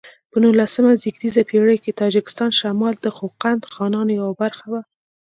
په نولسمه زېږدیزه پیړۍ کې د تاجکستان شمال د خوقند خانانو یوه برخه و.